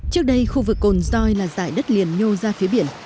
trước đây khu vực cồn doi là dài đất liền nhô ra phía biển